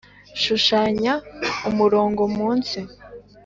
shushanya umurongo munsi